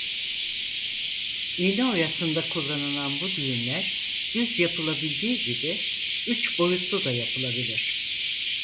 İğne oyasında kullanılan bu düğümler düz yapılabildiği gibi Üç boyutlu da yapılabilir.